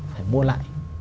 phải mua lại